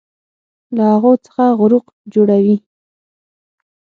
له هغو څخه غروق جوړوي